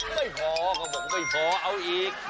ไม่พอก็บอกไม่พอเอาอีก